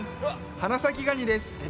花咲ガニです。